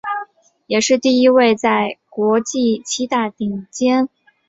也是第一位在国际七大顶尖杂志发表学术论文的中国本土经济学家。